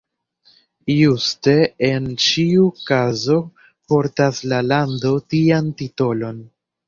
Juste en ĉiu kazo portas la lando tian titolon!